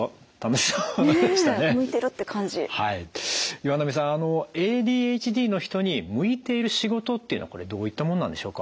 岩波さんあのＡＤＨＤの人に向いている仕事っていうのはこれどういったものなんでしょうか。